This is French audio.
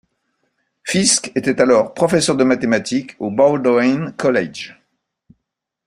Fisk était alors professeur de mathématiques au Bowdoin College.